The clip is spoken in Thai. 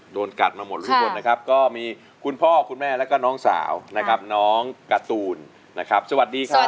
โดนกัดมาหมดทุกคนนะครับก็มีคุณพ่อคุณแม่แล้วก็น้องสาวนะครับน้องการ์ตูนนะครับสวัสดีครับ